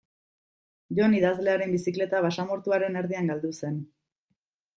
Jon idazlearen bizikleta basamortuaren erdian galdu zen.